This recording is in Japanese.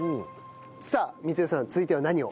さあ光代さん続いては何を？